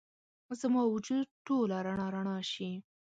زما وجود ټوله رڼا، رڼا شي